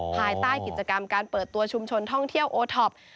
ภายใต้กิจกรรมการเปิดตัวชุมชนท่องเที่ยวโอท็อป